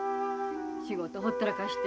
仕事ほったらかして。